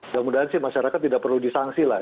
kemudian sih masyarakat tidak perlu disanksi lah